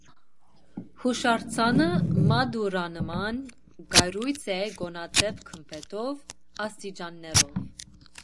Հուշարձանը մատուռանման կառույց է՝ կոնաձև գմբեթով, աստիճաններով։